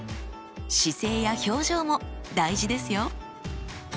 姿勢や表情も大事ですよ。